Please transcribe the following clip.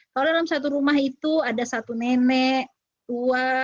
kalau dalam satu rumah itu ada satu nenek tua